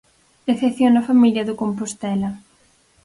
Decepción na familia do Compostela.